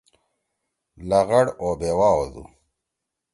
لغڑ اوبیوا ہودُو۔